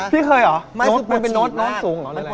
พี่เคยเหรอมันเป็นโน้ตสูงเหรอเลย